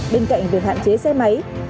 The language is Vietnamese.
bên cạnh việc hạn chế xe máy